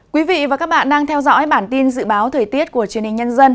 quý vị và các bạn đang theo dõi bản tin dự báo thời tiết của truyền hình nhân dân